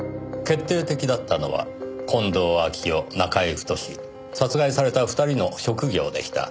決定的だったのは近藤秋夫中居太殺害された二人の職業でした。